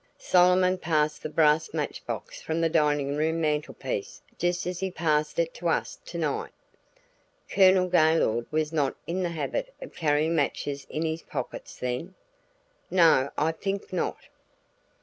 "Solomon passed the brass match box from the dining room mantelpiece just as he passed it to us to night." "Colonel Gaylord was not in the habit of carrying matches in his pockets then?" "No, I think not."